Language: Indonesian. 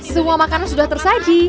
semua makanan sudah tersaji